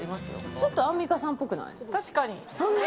ちょっとアンミカさんっぽく確かに。